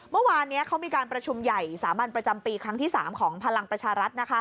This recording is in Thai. เมื่อวานนี้เขามีการประชุมใหญ่สามัญประจำปีครั้งที่๓ของพลังประชารัฐ